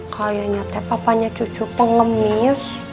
kayanya te papanya cucu pengemis